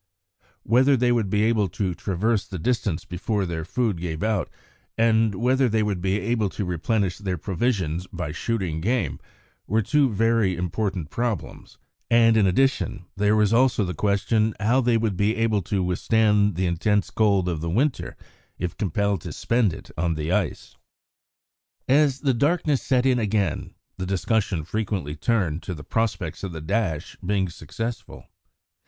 Whether they would be able to traverse the distance before their food gave out, and whether they would be able to replenish their provisions by shooting game, were two very important problems, and, in addition, there was also the question how they would be able to withstand the intense cold of the winter if compelled to spend it on the ice. As the darkness set in again, the discussion frequently turned to the prospects of the dash being successful.